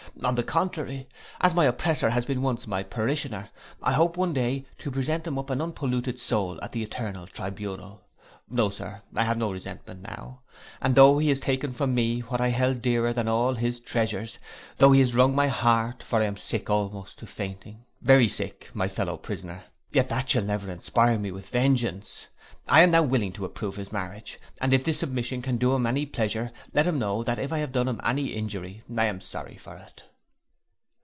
On the contrary, as my oppressor has been once my parishioner, I hope one day to present him up an unpolluted soul at the eternal tribunal. No, sir, I have no resentment now, and though he has taken from me what I held dearer than all his treasures, though he has wrung my heart, for I am sick almost to fainting, very sick, my fellow prisoner, yet that shall never inspire me with vengeance. I am now willing to approve his marriage, and if this submission can do him any pleasure, let him know, that if I have done him any injury, I am sorry for it.